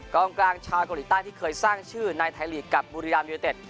กลางชาวเกาหลีใต้ที่เคยสร้างชื่อในไทยลีกกับบุรีรัมยูเนเต็ด